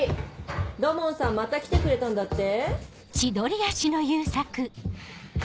土門さんまた来てくれたんだって？